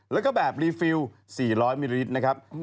แล้วก็แบบรีฟิล๔๐๐มิลลิลิตรนะครับ